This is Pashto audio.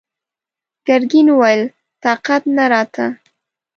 ګرګين وويل: طاقت نه راته!